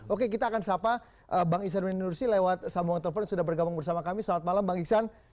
oke kita akan sapa bang iksanudin nursi lewat sambungan telepon sudah bergabung bersama kami selamat malam bang iksan